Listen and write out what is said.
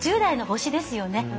５０代の星ですよね。